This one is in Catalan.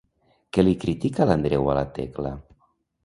Què li critica l'Andreu a la Tecla?